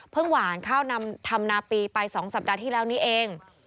หวานข้าวนำทำนาปีไป๒สัปดาห์ที่แล้วนี้เอง